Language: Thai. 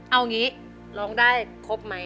เอานี้ร้องได้ครบมั้ย